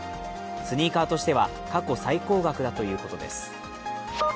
スニーカーとしては過去最高額ということです。